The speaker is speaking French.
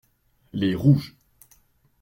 Les rouges.